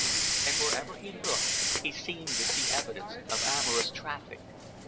And wherever he looked, he seemed to see evidences of amorous traffic.